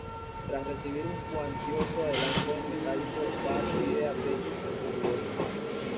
Tras recibir un cuantioso adelanto en metálico, Bart pide a Peggy el divorcio.